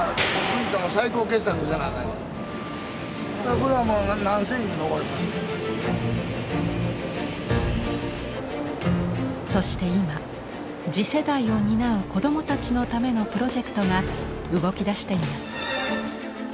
これはもうそして今次世代を担う子どもたちのためのプロジェクトが動きだしています。